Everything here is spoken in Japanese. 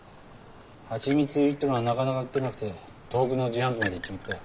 はちみつ入りってのがなかなか売ってなくて遠くの自販機まで行っちまったよ。